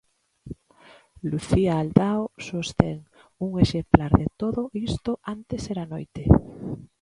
Lucía Aldao sostén un exemplar de Todo isto antes era noite.